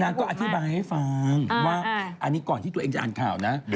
ก็อธิบายให้ฟังว่าอันนี้ก่อนที่ตัวเองจะอ่านข่าวนะ